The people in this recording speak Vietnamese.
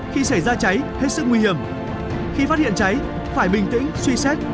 khi xảy ra cháy hết sức nguy hiểm khi phát hiện cháy phải bình tĩnh suy xét